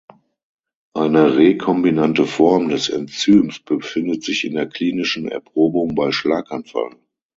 Eine rekombinante Form des Enzyms befindet sich in der klinischen Erprobung bei Schlaganfall.